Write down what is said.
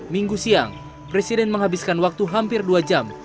minggu siang presiden menghabiskan waktu hampir dua jam